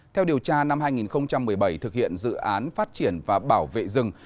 theo điều tra năm hai nghìn một mươi bảy thực hiện dự án phát triển và bảo vệ rừng